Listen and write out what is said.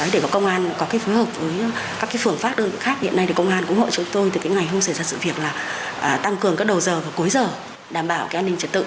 để công an có phối hợp với các phưởng pháp đơn vị khác hiện nay công an cũng hộ chúng tôi từ ngày hôm xảy ra sự việc là tăng cường các đầu giờ và cuối giờ đảm bảo an ninh trật tự